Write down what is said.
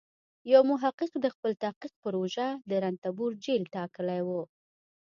یو محقق د خپل تحقیق پروژه د رنتبور جېل ټاکلی و.